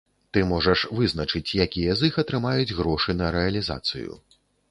Ты можаш вызначыць, якія з іх атрымаюць грошы на рэалізацыю.